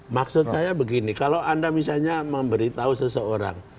maksud saya begini kalau anda misalnya memberitahu seseorang